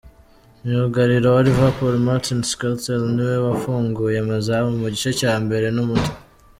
Myugariro wa Liverpool, Martin Skretel niwe wafunguye amazamu mu gice cya mbere n’umutwe.